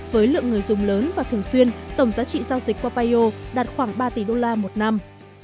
với lượng người dùng lớn và thường xuyên tổng giá trị giao dịch qua payo đạt khoảng ba tỷ đô la một năm